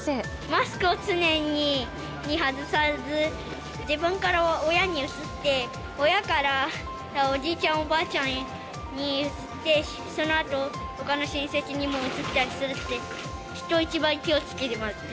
マスクを常に外さず、自分から親にうつって、親からおじいちゃん、おばあちゃんにうつって、そのあとほかの親戚にもうつったりするって。